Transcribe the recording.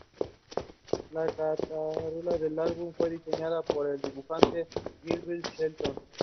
La carátula del álbum fue diseñada por el dibujante Gilbert Shelton.